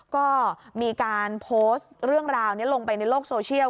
ก็มีการโพสต์เรื่องราวนี้ลงไปในโลกโซเชียล